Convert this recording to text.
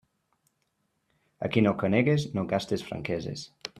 A qui no conegues, no gastes franqueses.